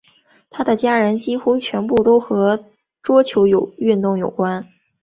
她的家人几乎全部都和桌球运动有关。